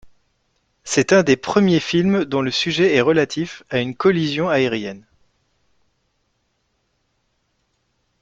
C'est un des premiers films dont le sujet est relatif à une collision aérienne.